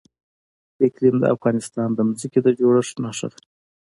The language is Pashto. اقلیم د افغانستان د ځمکې د جوړښت نښه ده.